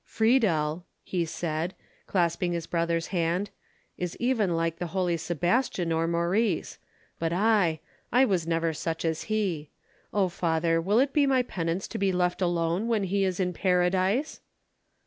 "Friedel," he said, clasping his brother's hand, "is even like the holy Sebastian or Maurice; but I—I was never such as he. O father, will it be my penance to be left alone when he is in paradise?"